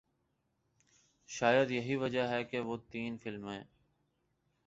شاید یہی وجہ ہے کہ وہ تین فلمیں